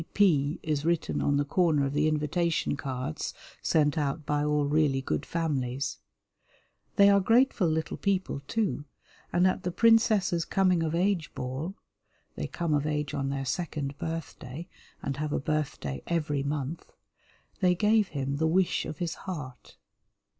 "P. P." is written on the corner of the invitation cards sent out by all really good families. They are grateful little people, too, and at the princess's coming of age ball (they come of age on their second birthday and have a birthday every month) they gave him the wish of his heart.